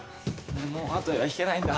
もう後には引けないんだ。